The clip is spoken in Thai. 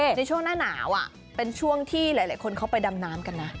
ในช่วงหน้าหนาวเป็นช่วงที่หลายคนเขาไปดำน้ำกันนะ